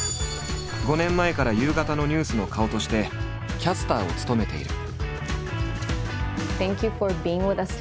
５年前から夕方のニュースの顔としてキャスターを務めている。